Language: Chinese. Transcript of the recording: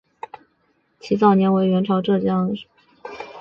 其早年为元朝浙江行省掾。